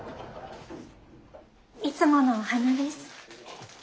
いつものお花です。